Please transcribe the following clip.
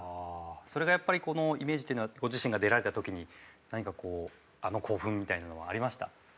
それがやっぱりこのイメージというのはご自身が出られた時に何かこうあの興奮みたいなのはありました？